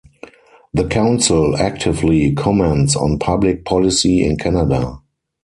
The council actively comments on public policy in Canada.